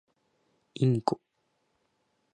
インコ